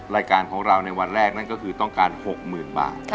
รายการของเราในวันแรกนั่นก็คือต้องการ๖๐๐๐บาท